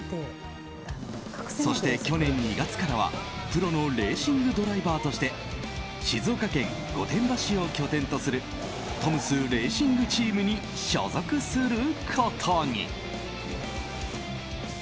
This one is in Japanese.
そして、去年２月からはプロのレーシングドライバーとして静岡県御殿場市を拠点とするトムス・レーシングチームに所属することに。